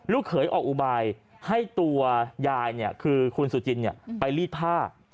เขยออกอุบายให้ตัวยายคือคุณสุจินไปรีดผ้า